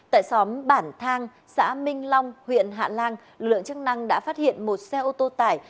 tại xóm bản thang xã minh long huyện hạ lan lực lượng chức năng đã phát hiện một xe ô tô tải